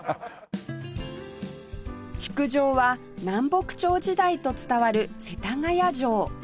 築城は南北朝時代と伝わる世田谷城